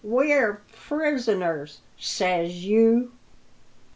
"We're prisoners, says you!"